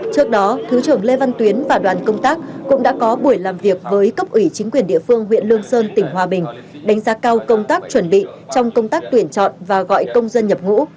trước đó thứ trưởng lê văn tuyến và đoàn công tác cũng đã có buổi làm việc với cấp ủy chính quyền địa phương huyện lương sơn tỉnh hòa bình đánh giá cao công tác chuẩn bị trong công tác tuyển chọn và gọi công dân nhập ngũ